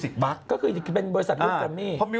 ก็คือเป็นบริษัทลูกแกรมมี่